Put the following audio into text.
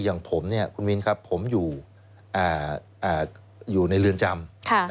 อย่างผมคุณมินครับผมอยู่ในเรือนจำ